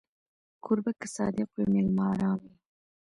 کوربه که صادق وي، مېلمه ارام وي.